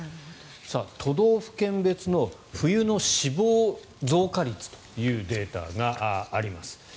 都道府県別の冬の死亡増加率というデータがあります。